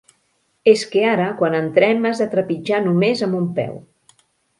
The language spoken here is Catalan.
És que ara quan entrem has de trepitjar només amb un peu.